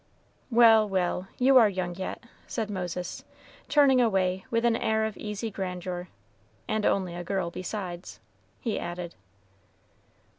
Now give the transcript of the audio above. "Well, well, you are young yet," said Moses, turning away with an air of easy grandeur, "and only a girl besides," he added.